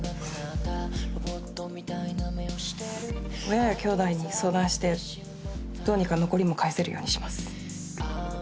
親やきょうだいに相談してどうにか残りも返せるようにします。